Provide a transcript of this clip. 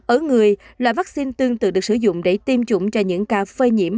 ở người loại vaccine tương tự được sử dụng để tiêm chủng cho những ca phơi nhiễm